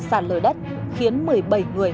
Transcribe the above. sạt lở đất khiến một mươi bảy người